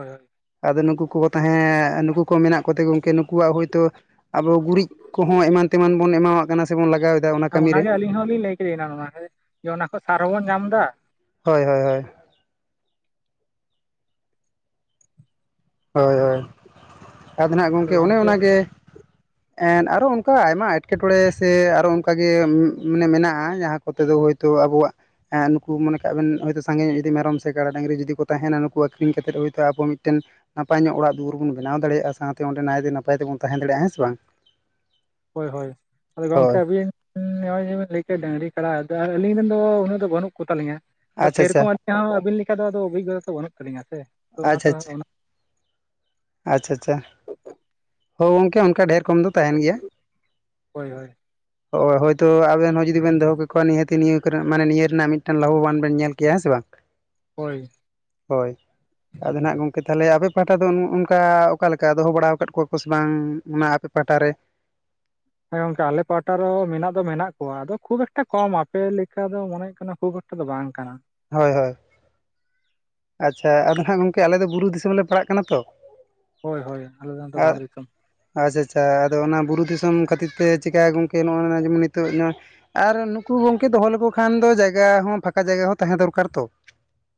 ᱟᱫᱚ ᱱᱩᱠᱩ ᱠᱚᱦᱚᱸ ᱛᱟᱦᱮᱸ ᱱᱩᱠᱩ ᱠᱚ ᱢᱮᱱᱟᱜ ᱠᱚᱛᱮ ᱠᱮ ᱱᱩᱠᱩᱣᱟᱜ ᱦᱩᱭᱛᱳ ᱟᱵᱚ ᱜᱩᱨᱤᱡ ᱠᱚᱦᱚᱸ ᱮᱢᱟᱱ ᱛᱮᱢᱟᱱ ᱵᱚᱱ ᱮᱢᱟᱣᱟᱜ ᱠᱟᱱᱟ ᱥᱮᱵᱚᱱ ᱞᱟᱜᱟᱣᱮᱫᱟ ᱚᱱᱟ ᱠᱟᱹᱢᱤ ᱨᱮ, ᱚᱱᱟᱜᱮ ᱟᱹᱞᱤᱧ ᱦᱚᱸ ᱞᱤᱧ ᱞᱟᱹᱭ ᱠᱤᱨᱤᱱᱟ ᱱᱚᱣᱟ ᱡᱮ ᱚᱱᱟ ᱠᱷᱚᱱ ᱥᱟᱨ ᱦᱚᱸᱵᱚᱱ ᱧᱟᱢ ᱫᱟ᱾ ᱦᱳᱭ ᱦᱳᱭ ᱦᱳᱭ᱾ ᱦᱳᱭ ᱦᱳᱭ ᱟᱫᱚ ᱱᱟᱜ ᱜᱚᱝᱠᱮ ᱚᱱᱮ ᱚᱱᱟᱜᱮ ᱮᱸᱫ ᱟᱨᱚ ᱚᱱᱠᱟ ᱟᱭᱢᱟ ᱮᱴᱠᱮᱴᱚᱬᱮ ᱥᱮ ᱟᱨᱚ ᱚᱱᱠᱟᱜᱮ ᱢᱟᱱᱮ ᱢᱮᱱᱟᱜ-ᱟ ᱡᱟᱦᱟᱸ ᱠᱚᱛᱮ ᱫᱚ ᱦᱳᱭᱛᱳ ᱟᱵᱩᱣᱟᱜ ᱮᱸᱫ ᱱᱩᱠᱩ ᱢᱚᱱᱮ ᱠᱟᱜ ᱵᱮᱱ ᱦᱳᱭᱛᱳ ᱥᱟᱸᱜᱮ ᱧᱚᱜ ᱡᱩᱫᱤ ᱢᱮᱨᱚᱢ ᱥᱮ ᱠᱟᱰᱟ ᱰᱟᱹᱝᱨᱤ ᱡᱩᱫᱤ ᱠᱚ ᱛᱟᱦᱮᱱᱟ ᱱᱩᱠᱩ ᱟᱹᱠᱷᱨᱤᱧ ᱠᱟᱛᱮᱫ ᱦᱳᱭᱛᱳ ᱟᱵᱚ ᱢᱤᱫᱴᱮᱱ ᱱᱟᱯᱟᱭ ᱧᱚᱜ ᱚᱲᱟᱜ ᱫᱩᱣᱟᱹᱨ ᱵᱚᱱ ᱵᱮᱱᱟᱣ ᱫᱟᱲᱮᱭᱟᱜ-ᱟ ᱥᱟᱶᱛᱮ ᱚᱸᱰᱮ ᱱᱟᱜ ᱛᱮ ᱱᱟᱯᱟᱭ ᱛᱮᱵᱚᱱ ᱛᱟᱦᱮᱸ ᱫᱟᱲᱮᱭᱟᱜ-ᱟ ᱦᱮᱸ ᱵᱟᱝ᱾ ᱦᱳᱭ ᱦᱳᱭ ᱟᱫᱚ ᱜᱚᱝᱠᱮ ᱦᱳᱭ ᱟᱹᱵᱤᱱ ᱩᱸ ᱱᱚᱜ-ᱚᱭ ᱡᱮᱵᱮᱱ ᱞᱟᱹᱭ ᱠᱮᱫ ᱰᱟᱹᱝᱨᱤ ᱠᱟᱰᱟ ᱟᱫᱚ ᱟᱹᱞᱤᱧ ᱨᱮᱱ ᱫᱚ ᱩᱱᱟᱹᱜ ᱫᱚ ᱵᱟᱹᱱᱩᱜ ᱠᱚ ᱛᱟᱞᱤᱧᱟ ᱥᱮ ᱟᱪᱪᱷᱟ ᱟᱪᱪᱷᱟ ᱨᱚᱠᱚᱢ ᱪᱮ ᱟᱹᱵᱤᱱ ᱞᱮᱠᱟ ᱫᱚ ᱟᱫᱚ ᱚᱵᱷᱤᱜᱚᱛᱟ ᱫᱚ ᱵᱟᱹᱱᱩᱜ ᱛᱟᱹᱞᱤᱧᱟ ᱥᱮ ᱛᱚ ᱚᱱᱟ ᱟᱪᱪᱷᱟ ᱛᱚ ᱟᱪᱪᱷᱟ ᱚᱱᱟ ᱟᱪᱪᱷᱟ ᱟᱪᱪᱷᱟ ᱦᱳᱭ ᱜᱚᱝᱠᱮ ᱚᱱᱠᱟ ᱰᱷᱮᱨ ᱠᱚᱢ ᱫᱚ ᱛᱟᱦᱮᱱ ᱜᱮᱭᱟ᱾ ᱦᱳᱭ ᱦᱳᱭ ᱚ ᱦᱳᱭᱛᱳ ᱟᱵᱮᱱ ᱦᱚᱸ ᱡᱩᱫᱤ ᱵᱮᱱ ᱫᱚᱦᱚ ᱠᱮᱠᱚᱣᱟ ᱱᱤᱦᱟᱹᱛᱤ ᱱᱤᱭᱟᱹ ᱠᱚᱨᱮ ᱢᱟᱱᱮ ᱱᱤᱭᱟᱹ ᱨᱮᱱᱟᱜ ᱢᱤᱫᱴᱟᱝ ᱞᱟᱵᱷᱚᱵᱟᱱ ᱵᱮᱱ ᱧᱮᱞ ᱠᱮᱭᱟ ᱦᱮᱸ ᱥᱮ ᱵᱟᱝ᱾ [unintelligible] ᱦᱳᱭ᱾ ᱦᱳᱭ ᱟᱫᱚ ᱱᱟᱦᱟᱜ ᱜᱚᱝᱠᱮ ᱛᱟᱦᱚᱞᱮ ᱟᱯᱮ ᱯᱟᱦᱟᱴᱟ ᱫᱚ ᱱᱚ ᱚᱱ ᱚᱱᱠᱟ ᱚᱠᱟ ᱞᱮᱠᱟ ᱫᱚᱦᱚ ᱵᱟᱲᱟᱣ ᱠᱟᱫ ᱠᱚᱣᱟ ᱠᱚ ᱥᱮ ᱵᱟᱝ ᱚᱱᱟ ᱟᱯᱮ ᱯᱟᱦᱟᱴᱟ ᱨᱮ? ᱦᱮᱸ ᱜᱚᱝᱠᱮ ᱟᱞᱮ ᱯᱟᱦᱟᱴᱟ ᱫᱚ ᱢᱮᱱᱟᱜ ᱫᱚ ᱢᱮᱱᱟᱜ ᱠᱚᱣᱟ ᱟᱫᱚ ᱠᱷᱩᱵ ᱮᱠᱴᱟ ᱠᱚᱢ ᱟᱯᱮ ᱞᱮᱠᱟ ᱫᱚ ᱢᱚᱱᱮ ᱦᱩᱭᱩᱜ ᱠᱟᱱᱟ ᱠᱷᱩᱵ [unintelligible] ᱫᱚ ᱵᱟᱝ ᱠᱟᱱᱟ ᱦᱳᱭ ᱦᱳᱭ᱾ ᱟᱪᱪᱷᱟ ᱟᱫᱚ ᱦᱟᱸᱜ ᱜᱚᱝᱠᱮ ᱟᱞᱮ ᱫᱚ ᱵᱩᱨᱩ ᱫᱤᱥᱚᱢ ᱞᱮ ᱯᱟᱲᱟᱜ ᱠᱟᱱᱟ ᱛᱚ᱾ ᱦᱳᱭ ᱦᱳᱭ ᱟᱞᱮ ᱫᱚ ᱱᱚᱛᱮ ᱫᱷᱟᱲ ᱫᱤᱥᱚᱢ᱾ ᱟᱪᱪᱷᱟ ᱟᱪᱪᱷᱟ ᱟᱫᱚ ᱚᱱᱟ ᱵᱩᱨᱩ ᱫᱤᱥᱚᱢ ᱠᱷᱟᱹᱛᱤᱨ ᱛᱮ ᱪᱤᱠᱟᱹᱜ-ᱟ ᱜᱚᱝᱠᱮ ᱱᱚᱜ-ᱚᱭ ᱱᱚᱣᱟ ᱡᱮᱢᱚᱱ ᱱᱤᱛᱚᱜ ᱱᱚᱣᱟ, ᱟᱨ ᱱᱩᱠᱩ ᱜᱚᱝᱠᱮ ᱫᱚᱦᱚ ᱞᱮᱠᱚ ᱠᱷᱟᱱ ᱫᱚ ᱡᱟᱭᱜᱟ ᱦᱚᱸ ᱯᱷᱟᱠᱟ ᱡᱟᱭᱜᱟ ᱦᱚᱸ ᱛᱟᱦᱮᱸ ᱫᱚᱨᱠᱟᱨ ᱛᱚ᱾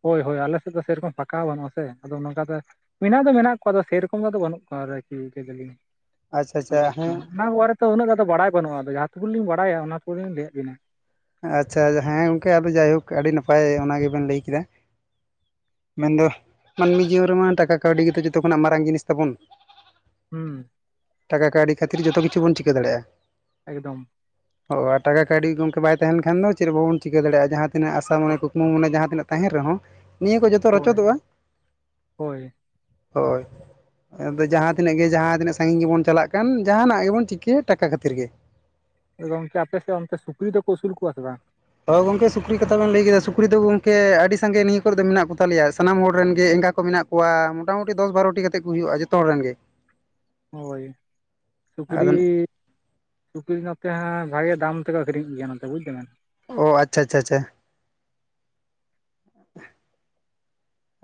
ᱦᱳᱭ ᱦᱳᱭ ᱟᱞᱮ ᱥᱮᱫ ᱫᱚ ᱥᱮᱨᱚᱠᱚᱢ ᱯᱷᱟᱠᱟ ᱵᱟᱹᱱᱩᱜ-ᱟ ᱥᱮ ᱟᱫᱚ ᱱᱚᱝᱠᱟ ᱛᱮ ᱢᱮᱱᱟᱜ ᱫᱚ ᱢᱮᱱᱟᱜ ᱠᱚᱣᱟ ᱟᱫᱚ ᱥᱮᱨᱚᱠᱚᱢ ᱫᱚ ᱟᱫᱚ ᱫᱚ ᱵᱟᱹᱱᱩᱜ ᱠᱚᱣᱟ ᱟᱨᱠᱤ ᱞᱟᱹᱭ ᱫᱟᱹᱞᱤᱧ ᱟᱪᱪᱷᱟ ᱟᱪᱪᱷᱟ ᱟᱫᱚ ᱦᱮᱸ ᱚᱱᱟ [unintelligible] ᱛᱚ ᱩᱱᱟᱹᱜ ᱫᱚ ᱵᱟᱰᱟᱭ ᱵᱟᱹᱱᱩᱜ-ᱟ ᱟᱫᱚ ᱡᱟᱦᱟᱸ ᱴᱩᱠᱩ ᱞᱤᱧ ᱵᱟᱰᱟᱭᱟ ᱚᱱᱟ ᱠᱚ ᱞᱤᱧ ᱞᱟᱹᱭᱟᱫ ᱵᱮᱱᱟ, ᱟᱪᱪᱷᱟ ᱡᱟᱦᱟᱸ ᱦᱮᱸ ᱜᱚᱝᱠᱮ ᱟᱫᱚ ᱡᱟᱭᱦᱳᱠ ᱟᱹᱰᱤ ᱱᱟᱯᱟᱭ ᱚᱱᱟ ᱜᱮᱵᱮᱱ ᱞᱟᱹᱭ ᱠᱮᱫᱟ᱾ ᱢᱮᱱᱫᱚ ᱢᱟᱹᱱᱢᱤ ᱡᱤᱭᱚᱱ ᱨᱮᱢᱟ ᱴᱟᱠᱟ ᱠᱟᱹᱣᱰᱤ ᱜᱮᱛᱚ ᱡᱚᱛᱚ ᱠᱷᱚᱱᱟᱜ ᱢᱟᱨᱟᱝ ᱡᱤᱱᱤᱥ ᱛᱟᱵᱩᱱ᱾ ᱦᱩᱸ ᱴᱟᱠᱟ ᱠᱟᱹᱣᱰᱤ ᱠᱷᱟᱹᱛᱤᱨ ᱜᱮᱛᱚ ᱡᱚᱛᱚ ᱠᱤᱪᱷᱩ ᱵᱚᱱ ᱪᱤᱠᱟᱹ ᱫᱟᱲᱮᱭᱟᱜ-ᱟ ᱾ ᱮᱠᱫᱚᱢ, ᱚ ᱟᱨ ᱴᱟᱠᱟ ᱠᱟᱹᱣᱰᱤ ᱜᱚᱢᱠᱮ ᱵᱟᱭ ᱛᱟᱦᱮᱱ ᱠᱷᱟᱱ ᱫᱚ ᱪᱮᱫ ᱵᱟᱵᱱ ᱪᱤᱠᱟᱹ ᱫᱟᱲᱮᱭᱟᱜᱟ ᱡᱟᱦᱟᱸ ᱛᱤᱱᱟᱹᱜ ᱟᱥᱟ ᱢᱚᱱᱮ ᱠᱩᱠᱢᱩ ᱦᱳᱭ ᱢᱚᱱᱮ ᱡᱟᱦᱟᱸ ᱛᱤᱱᱟᱹᱜ ᱛᱟᱦᱮᱱ ᱨᱮᱦᱚᱸ ᱱᱤᱭᱟᱹ ᱠᱩ ᱡᱚᱛᱚ ᱦᱳᱭ ᱨᱚᱪᱚᱫᱚᱜ-ᱟ᱾ ᱦᱳᱭ, ᱟᱫᱚ ᱡᱟᱦᱟᱸ ᱛᱤᱱᱟᱹᱜ ᱜᱮ ᱡᱟᱦᱟᱸ ᱛᱤᱱᱟᱹᱜ ᱥᱟᱺᱜᱤᱧ ᱜᱮᱵᱩᱱ ᱪᱟᱞᱟᱜ ᱠᱟᱱ ᱡᱟᱦᱟᱱᱟᱜ ᱜᱮᱵᱩᱱ ᱪᱤᱠᱟᱹ ᱴᱟᱠᱟ ᱠᱷᱟᱹᱛᱤᱨ ᱜᱮ᱾ ᱜᱚᱝᱠᱮ ᱟᱯᱮᱥᱮᱜ ᱚᱱᱛᱮ ᱥᱩᱠᱨᱤ ᱫᱚᱠᱩ ᱟᱹᱥᱩᱞ ᱠᱚᱣᱟ ᱥᱮ ᱵᱟᱝ? ᱦᱳᱭ ᱜᱚᱝᱠᱮ ᱥᱩᱠᱨᱤ ᱠᱟᱛᱷᱟ ᱵᱮᱱ ᱞᱟᱹᱭ ᱠᱮᱫᱟ ᱥᱩᱠᱨᱤ ᱫᱚ ᱜᱚᱝᱠᱮ ᱟᱹᱰᱤ ᱥᱟᱸᱜᱮ ᱱᱤᱭᱟᱹ ᱠᱚᱨᱮ ᱫᱚ ᱢᱮᱱᱟᱜ ᱠᱚᱛᱟᱞᱮᱭᱟ ᱥᱟᱱᱟᱢ ᱦᱚᱲ ᱨᱮᱱ ᱜᱮ ᱮᱸᱜᱟ ᱠᱚ ᱢᱮᱱᱟᱜ ᱠᱚᱣᱟ ᱢᱚᱴᱟᱢᱩᱴᱤ ᱫᱚᱥ ᱵᱟᱨᱚᱴᱤ ᱠᱟᱛᱮ ᱠᱩ ᱦᱩᱭᱩᱜᱼᱟ ᱡᱚᱛᱚ ᱦᱚᱲ ᱨᱮᱱ ᱜᱮ᱾ ᱦᱳᱭ ᱥᱩᱠᱨᱤ ᱟᱫᱚ ᱥᱩᱠᱨᱤ ᱱᱚᱛᱮ ᱦᱟᱸᱜ ᱵᱷᱟᱜᱮ ᱫᱟᱢ ᱛᱮᱠᱚ ᱟᱹᱠᱷᱨᱤᱧ ᱠᱚ ᱜᱮᱭᱟ ᱱᱚᱛᱮ ᱵᱩᱡᱽ ᱫᱟᱵᱮᱱ᱾ ᱚ ᱟᱪᱪᱷᱟ ᱟᱪᱷᱟ ᱪᱷᱟ᱾ [unintelligible]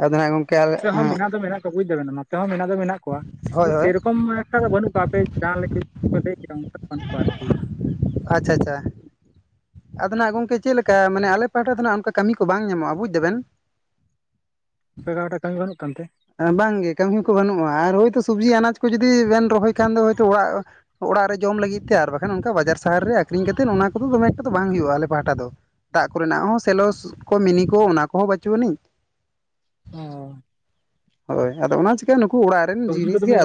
ᱟᱫᱚ ᱱᱟᱜ ᱜᱚᱝᱠᱮ ᱟᱫᱼᱼ ᱥᱮᱫ ᱦᱚᱸ ᱢᱮᱱᱟᱜ ᱫᱚ ᱢᱮᱱᱟᱜ ᱠᱚᱣᱟ ᱵᱩᱡᱽ ᱫᱟᱵᱮᱱ ᱱᱚᱛᱮ ᱦᱚᱸ ᱢᱮᱱᱟᱜ ᱫᱚ ᱢᱮᱱᱟᱜ ᱠᱚᱣᱟ ᱟᱫᱚ ᱦᱳᱭ ᱵᱩᱡᱫᱟᱵᱮᱱ ᱥᱮᱨᱚᱠᱚᱢ ᱮᱠᱷᱟ ᱫᱚ ᱵᱟᱹᱱᱩᱜ ᱠᱚᱣᱟ ᱟᱯᱮ ᱡᱟᱦᱟᱸ ᱞᱮᱠᱟ ᱞᱟᱹᱭᱟ [inaudible] ᱚᱝᱠᱟ ᱫᱚ ᱵᱟᱹᱱᱩᱜ ᱠᱚᱣᱟ ᱟᱨᱠᱤ᱾ ᱟᱪᱪᱷᱟ ᱟᱪᱪᱷᱟ᱾ ᱟᱫᱚ ᱱᱟᱜ ᱜᱚᱝᱠᱮ ᱪᱮᱫ ᱞᱮᱠᱟ ᱢᱟᱱᱮ ᱟᱞᱮ ᱯᱟᱦᱟᱴᱟ ᱫᱚ ᱱᱟᱦᱟᱜ ᱚᱱᱠᱟ ᱠᱟᱹᱢᱤ ᱠᱚ ᱵᱟᱝ ᱧᱟᱢᱚᱜᱼᱟ ᱵᱩᱡᱽ ᱫᱟᱵᱮᱱᱼᱼ ᱟᱯᱮᱜᱟᱨᱴᱟ ᱠᱟᱹᱢᱤ ᱜᱟᱹᱱᱚᱜ ᱠᱟᱱᱛᱮ? ᱵᱟᱝᱜᱮ ᱠᱟᱹᱢᱤ ᱠᱚ ᱵᱟᱹᱱᱩᱜᱼᱟ ᱟᱨ ᱦᱳᱭᱛᱳ ᱥᱚᱵᱽᱡᱤ ᱟᱱᱟᱡᱽ ᱠᱚ ᱡᱩᱫᱤ ᱵᱮᱱ ᱨᱚᱦᱚᱭ ᱠᱷᱟᱱ ᱫᱚ ᱦᱳᱭᱛᱳ ᱚᱲᱟᱜᱼᱼ ᱚᱲᱟᱜ ᱨᱮ ᱡᱚᱢ ᱞᱟᱹᱜᱤᱫ ᱛᱮ ᱟᱨ ᱵᱟᱠᱷᱟᱱ ᱚᱱᱠᱟ ᱵᱟᱡᱟᱨ ᱥᱟᱦᱟᱨ ᱨᱮ ᱟᱠᱷᱨᱤᱧ ᱠᱟᱛᱮᱫ ᱚᱱᱟ ᱠᱚᱫᱚ ᱫᱚᱢᱮᱼᱼ ᱵᱟᱝ ᱦᱩᱭᱩᱜᱼᱟ ᱟᱞᱮ ᱯᱟᱦᱴᱟ ᱫᱚ ᱫᱟᱜ ᱠᱚᱨᱮᱱᱟᱜ ᱦᱚᱸ ᱥᱮᱞᱚᱥ ᱠᱚ ᱢᱤᱱᱤ ᱠᱚ ᱚᱱᱟ ᱠᱚᱦᱚᱸ ᱵᱟᱹᱪᱩᱜ ᱟᱹᱱᱤᱡ। ᱚ। [inaudible] ᱦᱳᱭ ᱟᱫᱚ ᱚᱱᱟ ᱪᱤᱠᱟᱹ ᱱᱩᱠᱩ ᱚᱲᱟᱜ ᱨᱮᱱ ᱡᱤᱱᱤᱥ ᱜᱮᱼᱼ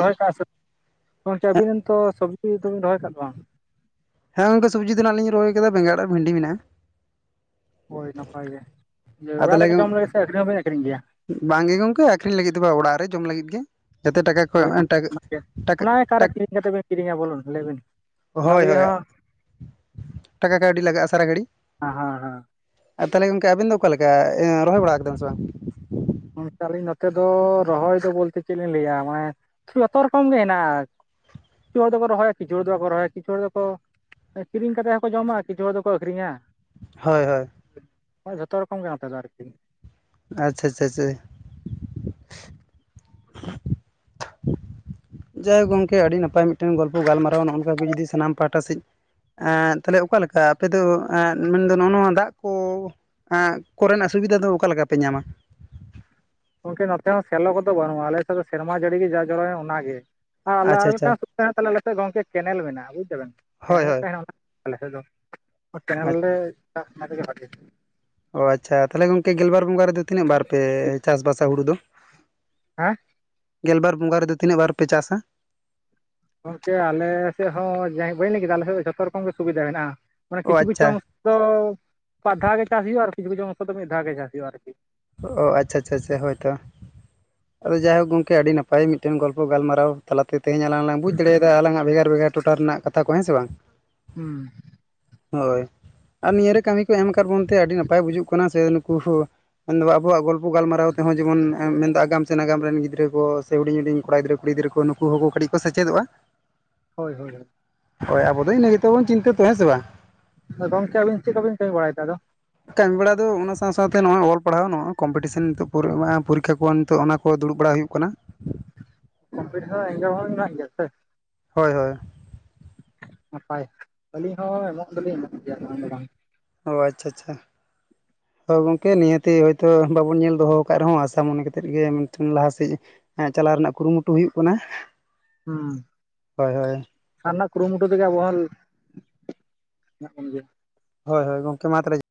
ᱜᱚᱢᱠᱮ ᱟᱵᱤᱱ ᱛᱚ ᱥᱚᱵᱽᱡᱤ ᱫᱚ ᱵᱤᱱ ᱨᱚᱦᱚᱭ ᱟᱠᱟᱫ ᱵᱟᱝ? ᱦᱮᱸ ᱜᱚᱝᱠᱮ ᱥᱚᱵᱽᱡᱤ ᱛᱟᱱᱟᱜ ᱞᱤᱧ ᱨᱚᱦᱚᱭ ᱠᱟᱫᱟ ᱵᱮᱸᱜᱲᱟᱜ ᱟᱨ ᱵᱷᱮᱱᱰᱤ ᱢᱮᱱᱟᱜᱼᱟ। ᱦᱳᱭ ᱱᱟᱯᱟᱭ ᱜᱮ ᱚᱲᱟᱜ ᱨᱮᱜᱮ ᱡᱚᱢ ᱞᱟᱹᱜᱤᱫ ᱥᱮ ᱟᱹᱠᱷᱨᱤᱧ ᱦᱚᱸ ᱵᱤᱱ ᱟᱹᱠᱷᱨᱤᱧ ᱜᱮᱭᱟ? ᱵᱟᱝ ᱜᱮ ᱜᱚᱝᱠᱮ ᱟᱠᱷᱨᱤᱧ ᱞᱟᱹᱜᱤᱫ ᱫᱚ ᱵᱟᱝ ᱚᱲᱟᱜ ᱨᱮ ᱡᱚᱢ ᱞᱟᱹᱜᱤᱫ ᱜᱮ। ᱡᱟᱛᱮ ᱴᱟᱠᱟ ᱠᱚ ᱦᱳᱭ ᱮᱢ ᱴᱟᱠ ᱚᱱᱟᱜᱮ ᱴᱟᱠ ᱚᱱᱟ ᱚᱠᱟᱨᱮ ᱴᱟᱠ। ᱠᱤᱨᱤᱧ ᱠᱟᱛᱮ ᱵᱮᱱ ᱠᱤᱨᱤᱧᱟ ᱵᱚᱞᱩᱱ ᱞᱟᱹᱭ ᱵᱤᱱ ᱚᱱᱟ ᱦᱳᱭ ᱞᱟᱹᱜᱤᱫ ᱦᱳᱭ ᱦᱚᱸ ᱴᱟᱠᱟ ᱠᱟᱹᱣᱰᱤ ᱞᱟᱹᱜᱟᱜᱼᱟ ᱥᱟᱨᱟ ᱜᱟᱹᱲᱤ। ᱦᱮᱸ ᱦᱮᱸ ᱦᱮᱸ ᱟᱨ ᱛᱟᱦᱚᱞᱮ ᱜᱚᱝᱠᱮ ᱟᱵᱤᱱ ᱫᱚ ᱚᱠᱟ ᱞᱮᱠᱟ ᱨᱚᱦᱚᱭ ᱵᱟᱲᱟ ᱟᱠᱟᱫᱟᱵᱤᱱ ᱥᱮ ᱵᱟᱝ? ᱟᱹᱞᱤᱧ ᱱᱚᱛᱮ ᱫᱚ ᱨᱚᱦᱚᱭ ᱫᱚ ᱵᱚᱞᱛᱮ ᱪᱮᱫ ᱞᱤᱧ ᱞᱟᱹᱭᱟ ᱢᱟᱱᱮᱼᱼ ᱡᱚᱛᱚ ᱨᱚᱠᱚᱢ ᱜᱮ ᱦᱮᱱᱟᱜᱼᱟ ᱠᱤᱪᱷᱩ ᱦᱚᱲ ᱫᱚᱠᱚ ᱨᱚᱦᱚᱭᱟ ᱠᱤᱪᱷᱩ ᱦᱚᱲ ᱫᱚ ᱵᱟᱠᱚ ᱨᱚᱦᱚᱭᱟ ᱠᱤᱪᱩ ᱦᱚᱲ ᱫᱚᱠᱚᱼᱼ ᱠᱤᱨᱤᱧ ᱠᱟᱛᱮ ᱦᱚᱸᱠᱚ ᱡᱚᱢᱟ ᱠᱤᱪᱷᱩ ᱦᱚᱲ ᱫᱚᱠᱚ ᱟᱹᱠᱷᱨᱤᱧᱟ। ᱦᱳᱭ ᱦᱳᱭ। ᱡᱷᱚᱛᱚ ᱨᱚᱠᱚᱢ ᱜᱮ ᱱᱚᱛᱮ ᱫᱚ ᱟᱨᱠᱤ। ᱟᱪᱪᱷᱟ ᱟᱪᱪᱷᱟ ᱪᱷᱟᱭ ᱾ ᱡᱟᱭ ᱜᱚᱝᱠᱮ ᱟᱹᱰᱤ ᱱᱟᱯᱟᱭ ᱢᱤᱫᱴᱮᱱ ᱜᱚᱞᱯᱚ ᱜᱟᱞᱢᱟᱨᱟᱣ ᱱᱚᱜᱼ ᱚᱭ ᱱᱚᱝᱠᱟ ᱜᱮ ᱡᱩᱫᱤ ᱥᱟᱱᱟᱢ ᱯᱟᱦᱴᱟ ᱥᱮᱫᱼᱼ ᱮᱸ ᱛᱟᱦᱞᱮ ᱚᱠᱟᱞᱮᱠᱟ ᱟᱯᱮ ᱫᱚ ᱮ ᱢᱮᱱᱫᱚ ᱱᱚᱜᱼᱚ ᱱᱚᱣᱟ ᱫᱟᱜ ᱠᱚ? ᱮᱸ ᱠᱚᱨᱮᱱᱟᱜ ᱥᱩᱵᱤᱫᱷᱟ ᱫᱚ ᱚᱠᱟ ᱞᱮᱠᱟᱯᱮ ᱧᱟᱢᱟ। ᱜᱚᱢᱠᱮ ᱱᱚᱛᱮ ᱦᱚᱸ ᱥᱮᱞᱚ ᱠᱚᱫᱚ ᱵᱟᱹᱱᱩᱜᱼᱟ ᱟᱞᱮᱥᱮᱫ ᱫᱚ ᱥᱮᱨᱢᱟ ᱡᱟᱹᱲᱤ ᱜᱮ ᱡᱟ ᱡᱚᱨᱚᱭᱮᱱ ᱚᱱᱟᱜᱮ। ᱟᱨ ᱟᱞᱮ ᱟᱪᱪᱷᱟ ᱟᱨ ᱟᱪᱪᱷᱟ ᱢᱤᱫᱴᱟᱝ ᱥᱩᱠ ᱛᱟᱦᱮᱱᱟ ᱛᱟᱦᱮ ᱟᱞᱮ ᱥᱮᱫ ᱜᱚᱝᱠᱮ ᱠᱮᱱᱮᱞ ᱢᱮᱱᱟᱜᱼᱟ ᱵᱩᱡ ᱫᱟ ᱵᱮᱱ ᱦᱳᱭ ᱠᱮᱱᱮᱞᱮ ᱦᱳᱭ ᱛᱟᱦᱮᱱᱟ। ᱟᱞᱮ ᱥᱮᱫ ᱫᱚ ᱠᱮᱱᱮᱞ ᱞᱮ ᱪᱟᱥ ᱚᱱᱟᱜᱮ ᱵᱷᱟᱜᱮ। ᱚ ᱟᱪᱪᱷᱟ ᱛᱟᱦᱞᱮ ᱜᱚᱝᱠᱮ ᱜᱮᱞᱵᱟᱨ ᱵᱚᱸᱜᱟ ᱨᱮᱫᱚ ᱛᱤᱱᱟᱹᱜ ᱵᱟᱨ ᱯᱮ ᱪᱟᱥᱼᱵᱟᱥᱟ ᱦᱩᱲᱩ ᱫᱚ? ᱟᱸ। [inaudible] ᱜᱮᱞᱵᱟᱨ ᱵᱚᱸᱜᱟ ᱨᱮᱫᱚ ᱛᱤᱱᱟᱹᱜ ᱵᱟᱨ ᱯᱮ ᱪᱟᱥᱟ? ᱜᱚᱢᱠᱮ ᱟᱞᱮ ᱥᱮᱫ ᱦᱚᱸ ᱵᱟᱹᱧ ᱞᱟᱹᱭ ᱠᱮᱫᱟ ᱟᱞᱮ ᱥᱮᱫ ᱫᱚ ᱡᱷᱚᱛᱚ ᱨᱚᱠᱚᱢ ᱜᱮ ᱥᱩᱵᱤᱫᱟ ᱢᱮᱱᱟᱜᱼᱟ ᱢᱟᱱᱮ ᱚ ᱟᱪᱪᱷᱟ ᱠᱤᱪᱷᱩᱼᱠᱤᱪᱷᱩᱝᱼᱼ ᱫᱚ ᱯᱟᱫᱷᱟᱣ ᱜᱮ ᱪᱟᱥ ᱦᱩᱭᱩᱜᱼᱟ ᱟᱨ ᱠᱤᱪᱷᱩ ᱠᱤᱪᱷᱩᱝ ᱠᱚ ᱫᱚ ᱢᱤᱫ ᱫᱷᱟᱣ ᱜᱮ ᱪᱟᱥ ᱦᱩᱭᱩᱜᱼᱟ ᱟᱨᱠᱤ। ᱚ ᱟᱪᱪᱷᱟᱼᱟᱪᱪᱷᱟᱼᱟᱪᱪᱷᱟ ᱦᱳᱭ ᱛᱚ। ᱟᱫᱚ ᱡᱟᱭᱦᱳᱠ ᱜᱚᱝᱠᱮ ᱟᱹᱰᱤ ᱱᱟᱯᱟᱭ ᱢᱤᱫᱴᱮᱱ ᱜᱚᱞᱯᱚ ᱜᱟᱞᱢᱟᱨᱟᱣ ᱛᱟᱞᱟᱛᱮᱼᱼ ᱛᱮᱦᱮᱧ ᱟᱞᱟᱝ ᱞᱟᱝ ᱵᱩᱡᱽ ᱫᱟᱲᱮᱭᱟᱫᱟ ᱟᱞᱟᱝ ᱟᱜ ᱵᱷᱮᱜᱟᱨᱼᱵᱷᱮᱜᱟᱨ ᱴᱚᱴᱷᱟ ᱨᱮᱱᱟᱜ ᱠᱟᱛᱷᱟ ᱠᱚ ᱦᱮᱸ ᱥᱮ ᱵᱟᱝ। ᱦᱩᱸ ᱦᱳᱭ ᱟᱨ ᱱᱤᱭᱟᱹᱨᱮ ᱠᱟᱹᱢᱤ ᱠᱚ ᱮᱢ ᱠᱟᱫ ᱵᱚᱱᱛᱮ ᱟᱹᱰᱤ ᱱᱟᱯᱟᱭ ᱵᱩᱡᱩᱜ ᱠᱟᱱᱟ ᱥᱮ ᱱᱩᱠᱩᱼᱼ ᱢᱮᱱᱫᱚ ᱟᱵᱚᱣᱟᱜ ᱜᱚᱞᱯᱚ ᱜᱟᱞᱢᱟᱨᱟᱣ ᱛᱮᱦᱚᱸ ᱡᱮᱢᱚᱱ ᱢᱮᱱᱫᱚ ᱟᱜᱟᱢ ᱥᱮ ᱱᱟᱜᱟᱢᱼᱼ ᱨᱮᱱ ᱜᱤᱫᱽᱨᱟᱹ ᱠᱚ ᱥᱮ ᱦᱩᱰᱤᱧ ᱦᱩᱰᱤᱧ ᱠᱚᱲᱟ ᱜᱤᱫᱽᱨᱟᱹ ᱠᱩᱲᱤ ᱜᱤᱫᱽᱨᱟᱹ ᱠᱚ ᱱᱩᱠᱩ ᱠᱟᱹᱴᱤᱡ ᱠᱚ ᱥᱮᱪᱮᱫᱚᱜᱼᱟ। ᱦᱳᱭ ᱦᱳᱭ ᱦᱳᱭ। ᱦᱳᱭ ᱟᱵᱩ ᱫᱚ ᱤᱱᱟ ᱜᱮ ᱛᱮᱵᱚᱱ ᱪᱤᱱᱛᱟᱹ ᱫᱚ ᱦᱮᱸ ᱥᱮ ᱵᱟᱝ? ᱦᱳᱭ ᱜᱚᱢᱠᱮ ᱟᱵᱤᱱ ᱪᱮᱫ ᱠᱚᱵᱤᱱ ᱠᱟᱹᱢᱤ ᱵᱟᱲᱟᱭ ᱫᱟ ᱟᱫᱚ? ᱠᱟᱹᱢᱤ ᱵᱟᱲᱟ ᱫᱚ ᱚᱱᱟ ᱥᱟᱶ ᱥᱟᱶᱛᱮ ᱱᱚᱣᱟ ᱚᱞ ᱯᱟᱲᱦᱟᱣ ᱱᱚᱜᱼᱚ ᱠᱚᱢᱯᱤᱴᱤᱥᱚᱱ ᱯᱩᱨᱟᱹᱜ ᱢᱟ ᱱᱤᱛᱚᱜ ᱯᱚᱨᱤᱠᱠᱷᱟ ᱠᱚᱦᱚᱸᱼ ᱱᱤᱛᱚᱜ ᱚᱱᱟ ᱠᱚ ᱫᱩᱲᱩᱵ ᱵᱟᱲᱟ ᱦᱩᱭᱩᱜ ᱠᱟᱱᱟ। ᱠᱚᱢᱯᱤᱴᱤᱥᱚᱱ ᱮᱸᱜᱽᱡᱟᱢ ᱦᱚᱸ ᱢᱮᱱᱟᱜ ᱜᱮᱭᱟ ᱥᱮ? ᱦᱳᱭᱼᱦᱳᱭ। ᱱᱟᱯᱟᱭ ᱟᱹᱞᱤᱧ ᱦᱚᱸ ᱮᱢᱚᱜ ᱫᱚᱞᱤᱧ ᱮᱢᱚᱜ ᱜᱮᱭᱟ ᱵᱟᱝ ᱫᱚ ᱵᱟᱝ। ᱚ ᱟᱪᱪᱷᱟ ᱟᱪᱪᱷᱟ। ᱦᱳᱭ ᱜᱚᱝᱠᱮ ᱱᱤᱭᱟᱛᱮ ᱦᱳᱭᱛᱚ ᱵᱟᱵᱚᱱ ᱧᱮᱞ ᱫᱚᱦᱚ ᱠᱟᱫ ᱨᱮᱦᱚᱸ ᱟᱥᱟ ᱢᱚᱱᱮ ᱠᱟᱛᱮᱫ ᱜᱮ ᱞᱟᱦᱟᱥᱮᱜ ᱦᱮᱸ ᱪᱟᱞᱟᱜ ᱨᱮᱭᱟᱜ ᱠᱩᱨᱩᱢᱩᱴᱩ ᱦᱩᱭᱩᱜ ᱠᱟᱱᱟ। ᱦᱩᱸ। ᱦᱳᱭ ᱦᱳᱭ ᱟᱨ ᱱᱟᱦᱟᱸᱜ ᱠᱩᱨᱩᱢᱩᱴᱩ ᱛᱮᱜᱮ ᱟᱵᱚ ᱦᱚᱸ ᱦᱮᱱᱟᱜ ᱵᱚᱱ ᱜᱮᱭᱟ। ᱦᱳᱭ ᱦᱳᱭ ᱜᱚᱢᱠᱮ ᱢᱟ ᱛᱚᱵᱮ